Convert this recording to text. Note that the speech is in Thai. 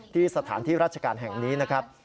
ที่สถานที่ราชการแห่งนี้นะครับ